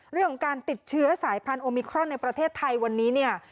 เรื่องของการติดเชื้อสายพันธุมิครอนในประเทศไทยวันนี้เนี่ย